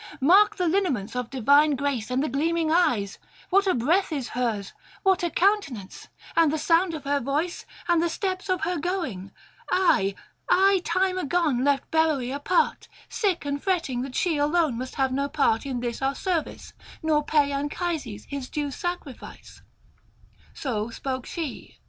Mark the lineaments of divine grace and the gleaming eyes, what a breath is hers, what a countenance, and the sound of her voice and the steps of her going. I, I time agone left Beroë apart, sick and fretting that she alone must have no part in this our service, nor pay Anchises his due sacrifice.' So spoke she.